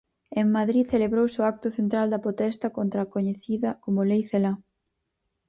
En Madrid celebrouse o acto central da protesta contra a coñecida como lei Celaá.